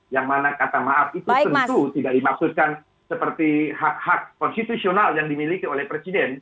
yang mana kata maaf itu tentu tidak dimaksudkan seperti hak hak konstitusional yang dimiliki oleh presiden